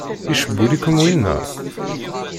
Icewwel-ikem winna?